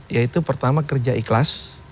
yaitu pertama kerja ikhlas